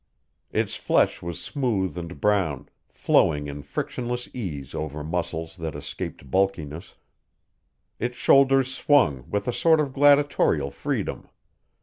Its flesh was smooth and brown, flowing in frictionless ease over muscles that escaped bulkiness; its shoulders swung with a sort of gladiatorial freedom.